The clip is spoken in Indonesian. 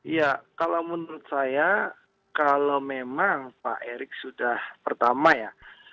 ya kalau menurut saya kalau memang pak erick sudah pertama ya